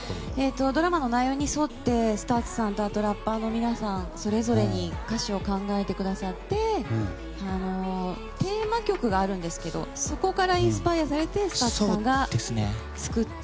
ドラマの内容に沿ってＳＴＵＴＳさんとラッパーの皆さんのそれぞれに歌詞を考えてくださってテーマ曲があるんですけどそこからインスパイアされてＳＴＵＴＳさんが作った。